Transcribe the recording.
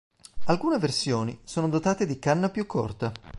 Alcune versioni sono dotate di canna più corta.